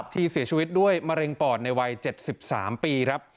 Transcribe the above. ที่เสียชีวิตด้วยมะเร็งปอดในวัย๗๓ปีครับ